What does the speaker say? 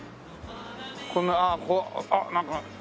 ここあっなんか。